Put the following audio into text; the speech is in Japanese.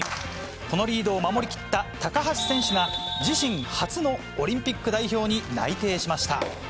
このリードを守り切った高橋選手が、自身初のオリンピック代表に内定しました。